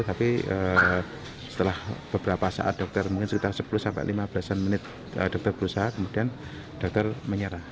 tapi setelah beberapa saat dokter mungkin sekitar sepuluh sampai lima belas menit dokter berusaha kemudian dokter menyerah